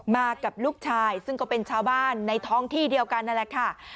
กับลูกชายซึ่งก็เป็นชาวบ้านในท้องที่เดียวกันนั่นแหละค่ะ